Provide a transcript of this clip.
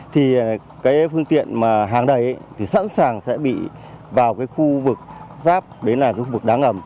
thì cái phương tiện mà hàng đầy thì sẵn sàng sẽ bị vào cái khu vực giáp đấy là cái khu vực đá ngầm